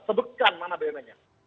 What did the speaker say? sebutkan mana bumn nya